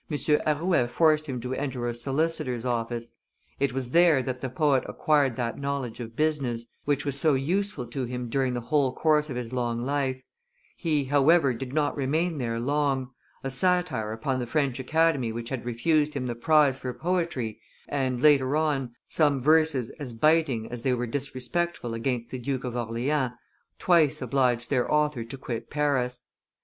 Arouet forced him to enter a solicitor's office. It was there that the poet acquired that knowledge of business which was useful to him during the whole course of his long life; he, however, did not remain there long: a satire upon the French Academy which had refused him the prize for poetry, and, later on, some verses as biting as they were disrespectful against the Duke of Orleans, twice obliged their author to quit Paris.